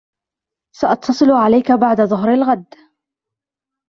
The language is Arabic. سأتصل عليك بعد ظهر الغد.